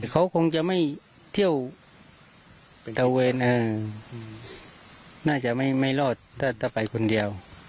เขาคงจะไม่เที่ยวไปตะเวนน่าจะไม่รอดถ้าไปคนเดียว